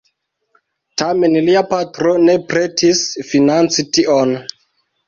Tamen lia patro ne pretis financi tion.